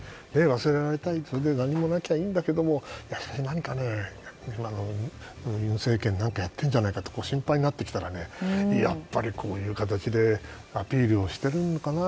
忘れられたいそれで何もなきゃいいんだけど何か、今の尹政権はやってるんじゃないかと心配になってきたからこういう形でアピールをしてるのかな。